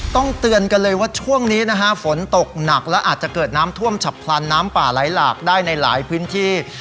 เตือนกันเลยว่าช่วงนี้นะฮะฝนตกหนักและอาจจะเกิดน้ำท่วมฉับพลันน้ำป่าไหลหลากได้ในหลายพื้นที่